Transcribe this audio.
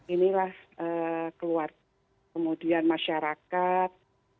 inilah keluarga kemudian masyarakat